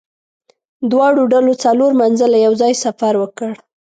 دواړو ډلو څلور منزله یو ځای سفر وکړ.